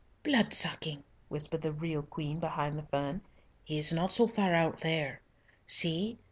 "Blood sucking," whispered the real Queen behind the fern. "He is not so far out there. See!